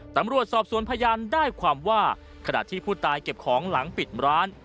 ตำรวจสอบสวนพยานได้ความว่าขณะที่ผู้ตายเก็บของหลังปิดร้าน